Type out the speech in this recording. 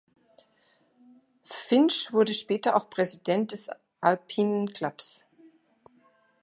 Finch wurde später auch Präsident des Alpine Clubs.